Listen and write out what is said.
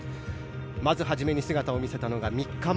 まず初めに姿を見せたのは３日前。